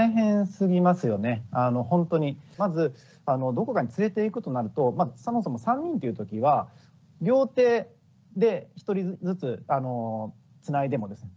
まずどこかに連れていくとなるとそもそも３人っていうときは両手で１人ずつつないでもですね